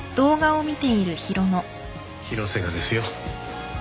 広瀬がですよ。